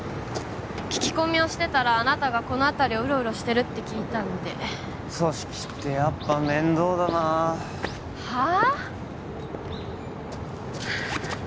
聞き込みをしてたらあなたがこの辺りをウロウロしてると聞いて組織ってやっぱ面倒だなはあ？